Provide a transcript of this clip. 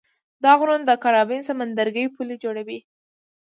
دا غرونه د کارابین سمندرګي پولې جوړوي.